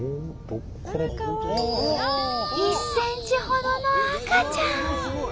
１ｃｍほどの赤ちゃん！